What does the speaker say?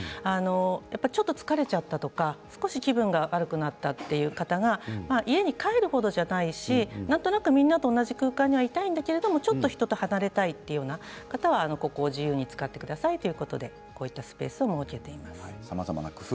ちょっと疲れちゃったりとか気分が悪くなったという方が家に帰る程じゃないしなんとなくみんなと同じ空間にいたいんだけれどもちょっと人と離れたいという方はここを自由に使ってくださいと設けています。